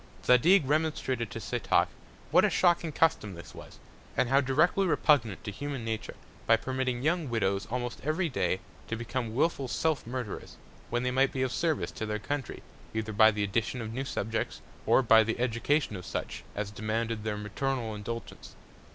Zadig remonstrated to Setoc, what a shocking Custom this was, and how directly repugnant to human Nature; by permitting young Widows, almost every Day, to become wilful Self Murderers; when they might be of Service to their Country, either by the Addition of new Subjects, or by the Education of such as demanded their Maternal Indulgence.